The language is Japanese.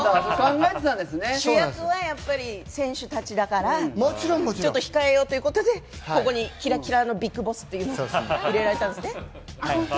主役はやっぱり選手たちだから、ちょっと控えようということで、ここにキラキラのＢＩＧＢＯＳＳって入れられたんですね。